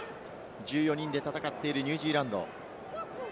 １４人で戦っているニュージーランド。